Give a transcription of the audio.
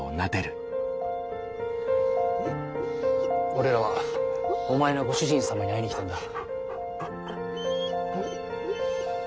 俺らはお前のご主人様に会いに来たんだ。